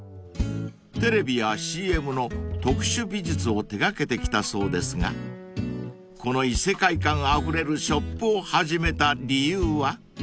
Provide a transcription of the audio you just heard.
［テレビやＣＭの特殊美術を手掛けてきたそうですがこの異世界感あふれるショップを始めた理由は？］